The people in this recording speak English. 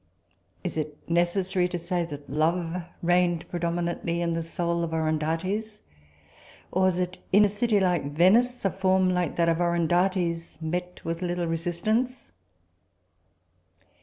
Is it necessary to say that love reigned predominantly in the soul of Orondates? Or that in a city like Venice a form like that of Orondates met with little resistance?